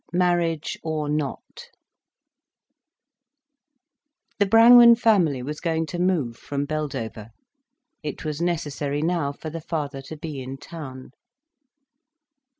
MARRIAGE OR NOT The Brangwen family was going to move from Beldover. It was necessary now for the father to be in town.